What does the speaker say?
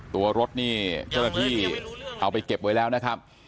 ตัวรถนี่เจ้าหน้าที่เอาไปเก็บไว้แล้วนะครับ